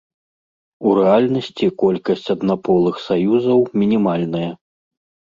У рэальнасці колькасць аднаполых саюзаў мінімальная.